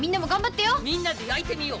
みんなで焼いてみよう！